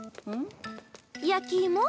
焼き芋？